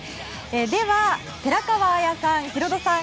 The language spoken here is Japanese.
では、寺川綾さん、ヒロドさん